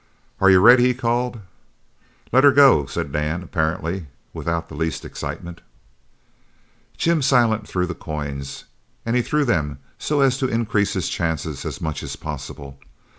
"Are you ready?" he called. "Let her go!" said Dan, apparently without the least excitement. Jim Silent threw the coins, and he threw them so as to increase his chances as much as possible.